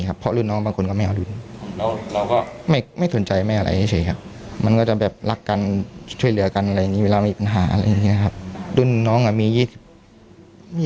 ต่างรองเพียงใหม่ครับแล้วถีบมีอะไรมีคลานมีกิ้งบ้างอ๋อมีทีม